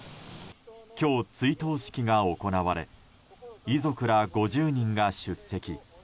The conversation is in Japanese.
今日、追悼式が行われ遺族ら５０人が出席。